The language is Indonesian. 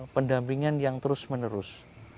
pendampingan yang terus menerus